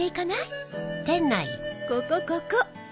ここここ。